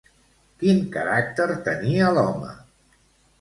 Quin caràcter tenia l'home?